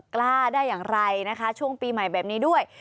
กล้าได้อย่างไรนะคะช่วงปีใหม่แบบนี้ด้วย